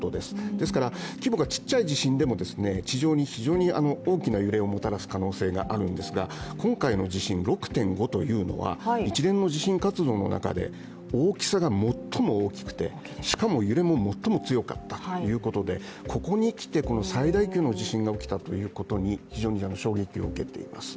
ですから規模が小さな地震でも地上に非常に大きな揺れをもたらす可能性があるんですが、今回の地震６．５というのは、一連の地震活動の中で大きさが最も大きくて、しかも揺れも最も強かったということでここにきて、最大級の地震が起きたということに非常に衝撃を受けています。